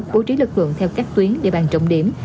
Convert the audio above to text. bố trí lực lượng theo các tuyến địa bàn trọng điểm